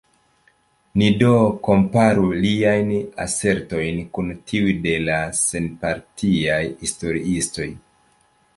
Ni do komparu liajn asertojn kun tiuj de la senpartiaj historiistoj.